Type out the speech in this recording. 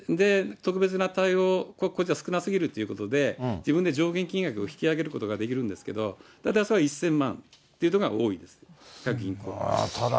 特別な対応を、これじゃ少なすぎるということで、自分で上限金額を引き上げることができるんですけど、大体それは１０００万円とただ、１０００万円